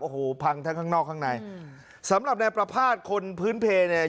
โอ้โหพังทั้งข้างนอกข้างในสำหรับนายประภาษณ์คนพื้นเพลเนี่ย